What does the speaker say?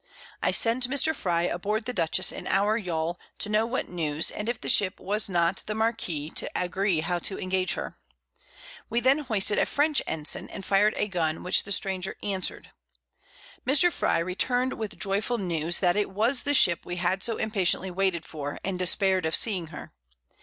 I sent Mr. Frye aboard the Dutchess in our Yawl, to know what News, and if the Ship was not the Marquiss, to agree how to engage her. We then hoisted a French Ensign, and fired a Gun, which the Stranger answer'd. Mr. Frye [Sidenote: At Anchor on the Coast of California.] return'd with the joyful News that it was the Ship we had so impatiently waited for, and despair'd of seeing her.